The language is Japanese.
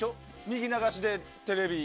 右流しでテレビ。